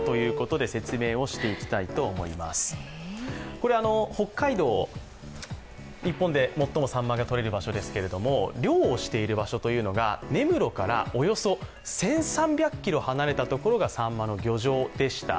これは北海道、日本で最もさんまがとれるところですけども、漁をしている場所というのが根室からおよそ１３００ｋｍ離れたところがさんまの漁場でした。